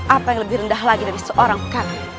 apa yang lebih rendah lagi dari seorang kandi